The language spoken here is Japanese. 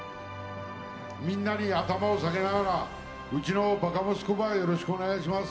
みんなに頭を下げながらうちのバカ息子ばよろしくお願いします